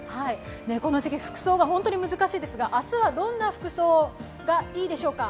この時期、服装が本当に難しいですが、明日はどんな服装がいいでしょうか。